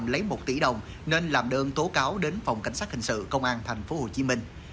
phan công khanh lấy một tỷ đồng nên làm đơn tố cáo đến phòng cảnh sát hình sự công an thành phố hồ chí minh